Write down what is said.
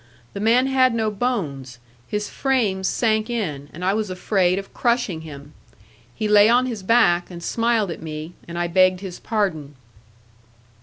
The man had no bones; his frame sank in, and I was afraid of crushing him. He lay on his back, and smiled at me; and I begged his pardon.